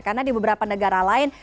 karena di beberapa negara lain